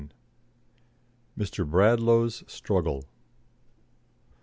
MR. BRADLAUGH'S STRUGGLE.